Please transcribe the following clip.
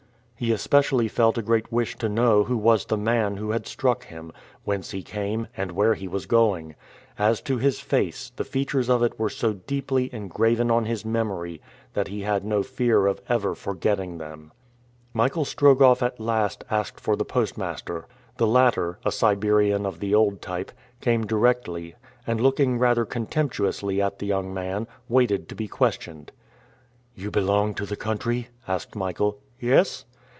He especially felt a great wish to know who was the man who had struck him, whence he came, and where he was going. As to his face, the features of it were so deeply engraven on his memory that he had no fear of ever forgetting them. Michael Strogoff at last asked for the postmaster. The latter, a Siberian of the old type, came directly, and looking rather contemptuously at the young man, waited to be questioned. "You belong to the country?" asked Michael. "Yes."